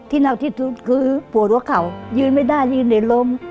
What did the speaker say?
ที่นักที่ทุกข์คือผัวหัวเข่ายืนไม่ได้ยืนเลยล้ม